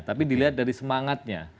tapi dilihat dari semangatnya